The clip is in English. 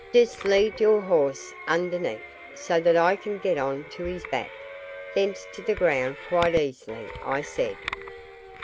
"Just lead your horse underneath, so that I can get on to his back, thence to the ground quite easily," I said.